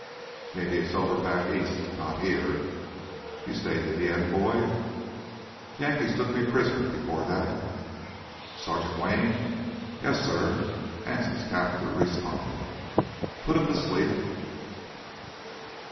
"Maybe it's over back east—not here! You stayed to the end, boy?" "Yankees took me prisoner before that." "Sergeant Wayne!" "Yes, suh?" Anse's captor responded. "Put him to sleep!"